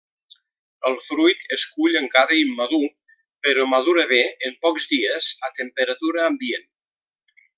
El fruit es cull encara immadur, però madura bé en pocs dies a temperatura ambient.